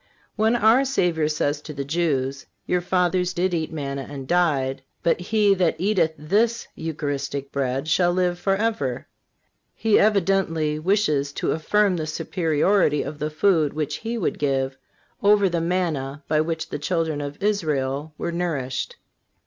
When our Savior says to the Jews: "Your fathers did eat manna and died, ... but he that eateth this (Eucharistic) bread shall live forever," He evidently wishes to affirm the superiority of the food which He would give, over the manna by which the children of Israel were nourished.